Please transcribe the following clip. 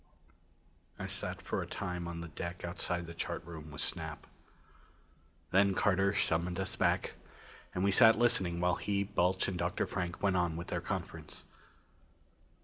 I sat for a time on the deck outside the chart room with Snap. Then Carter summoned us back, and we sat listening while he, Balch and Dr. Frank went on with their conference.